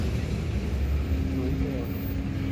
หลุยส์ เบรลล์